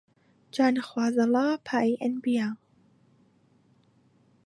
جا نەخوازەڵا پایەی ئەنبیا